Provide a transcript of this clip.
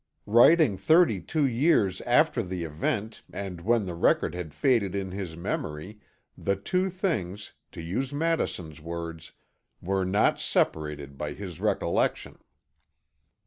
Writing 32 years after the event and when the record had faded in his memory, the two things, to use Madison's words, "were not separated by his recollection."